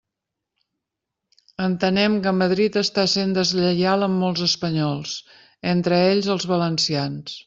Entenem que Madrid està sent deslleial amb molts espanyols, entre ells els valencians.